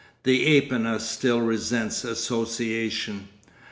The ape in us still resents association.